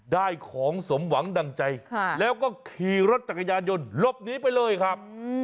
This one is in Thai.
ได้ของสมหวังดั่งใจแล้วก็ขี่รถจักรยานยนต์หลบหนีไปเลยครับ